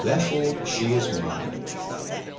Therefore she is mine.'